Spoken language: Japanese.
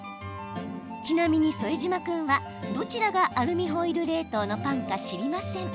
ちなみに副島君はどちらがアルミホイル冷凍のパンか知りません。